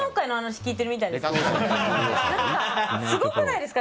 何かすごくないですか？